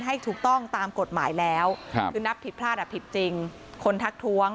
ให้ถูกต้องตามกฎหมายแล้วคือนับผิดพลาดอ่ะผิดจริงคนทักท้วง